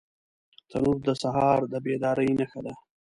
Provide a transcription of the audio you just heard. تنور د سهار د بیدارۍ نښه ده